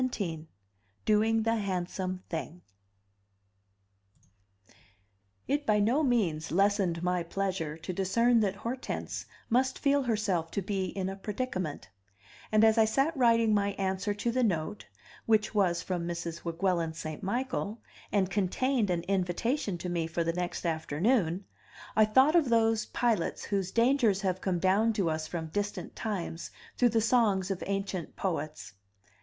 XVII: Doing the Handsome Thing It by no means lessened my pleasure to discern that Hortense must feel herself to be in a predicament; and as I sat writing my answer to the note, which was from Mrs. Weguelin St. Michael and contained an invitation to me for the next afternoon, I thought of those pilots whose dangers have come down to us from distant times through the songs of ancient poets.